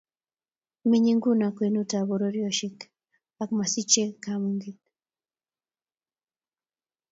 Menyei nguno kwenutab pororyosyek ak ma sichei kamung'et.